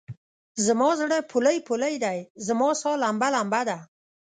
زما زړه پولۍ پولۍدی؛ رما سا لمبه لمبه ده